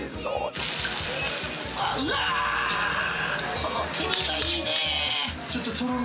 この照りがいいね！